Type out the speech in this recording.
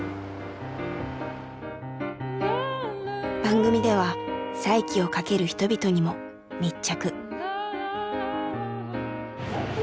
番組では再起をかける人々にも密着。